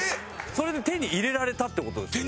それで手に入れられたって事ですよね？